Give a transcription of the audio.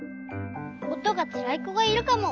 「おとがつらいこがいるかも。